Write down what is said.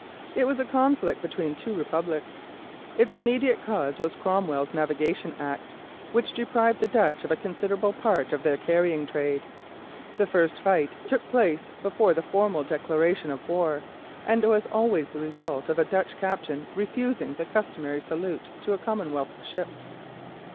It was a conflict between two republics. Its immediate cause was Cromwell's Navigation Act, which deprived the Dutch of a considerable part of their carrying trade. The first fight took place before the formal declaration of war, and was the result of a Dutch captain refusing the customary salute to a Commonwealth ship.